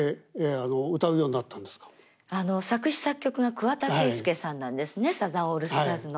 作詞作曲が桑田佳祐さんなんですねサザンオールスターズの。